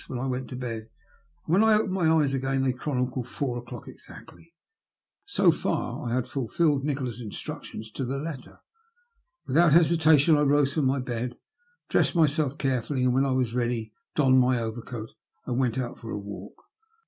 m. whan I went to bed, and when I opened my eyes again they chronicled four o'clock exactly. So far I had fulfilled Nikola's instructions to the letter. Without hesita tion I rose from my bed, dressed myself carefully, and when I was ready, donned my overcoat and went out tor a walk.